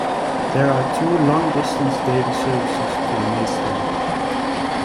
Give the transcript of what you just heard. There are two long-distance daily services to Maesteg.